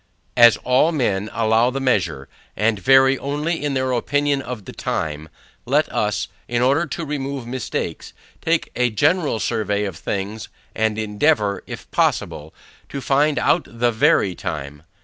As all men allow the measure, and vary only in their opinion of the time, let us, in order to remove mistakes, take a general survey of things, and endeavour, if possible, to find out the VERY time.